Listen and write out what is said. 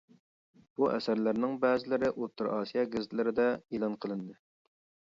بۇ ئەسەرلەرنىڭ بەزىلىرى ئوتتۇرا ئاسىيا گېزىتلىرىدە ئېلان قىلىندى.